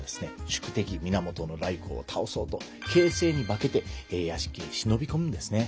宿敵源頼光を倒そうと傾城に化けて屋敷へ忍び込むんですね。